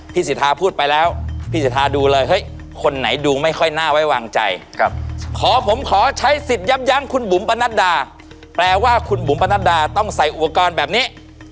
สิทธาพูดไปแล้วพี่สิทธาดูเลยเฮ้ยคนไหนดูไม่ค่อยน่าไว้วางใจขอผมขอใช้สิทธิ์ยับยั้งคุณบุ๋มปนัดดาแปลว่าคุณบุ๋มปนัดดาต้องใส่อุปกรณ์แบบนี้